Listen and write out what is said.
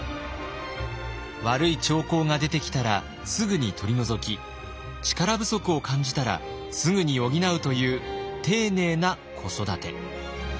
悪い兆候が出てきたらすぐに取り除き力不足を感じたらすぐに補うという丁寧な子育て。